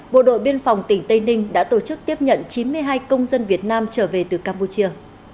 bộ đội biên phòng tỉnh tây ninh đã tổ chức tiếp nhận chín mươi hai công dân việt nam trở về từ campuchia